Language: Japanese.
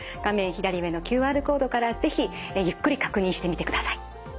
左上のＱＲコードから是非ゆっくり確認してみてください。